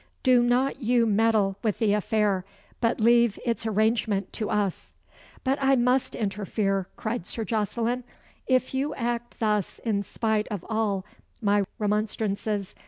Do not you meddle with the affair, but leave its arrangement to us." "But I must interfere," cried Sir Jocelyn; "if you act thus, in spite of all my remonstrances.